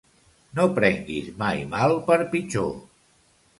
No prenguis mai mal per pitjor.